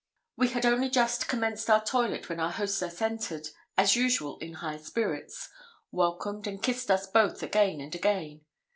We had only just commenced our toilet when our hostess entered, as usual in high spirits, welcomed and kissed us both again and again.